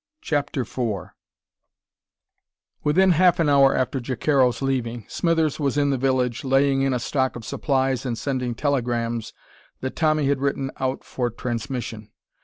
CHAPTER IV Within half an hour after Jacaro's leaving, Smithers was in the village, laying in a stock of supplies and sending telegrams that Tommy had written out for transmission.